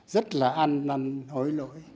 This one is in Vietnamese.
rất là ăn nằm hối lỗi